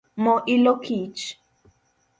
Mo ilo kich